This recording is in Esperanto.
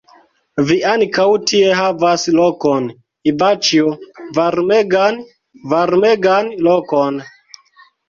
Vi ankaŭ tie havas lokon, Ivaĉjo, varmegan, varmegan lokon!